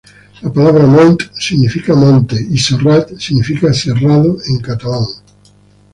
La palabra "mont" significa monte y "serrat" significa serrado en catalán.